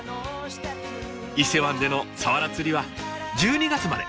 伊勢湾でのサワラ釣りは１２月まで。